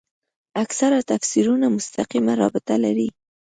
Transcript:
اکثره تفسیرونه مستقیمه رابطه لري.